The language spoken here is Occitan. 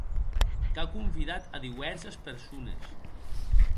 Qu’a convidat a diuèrses persones.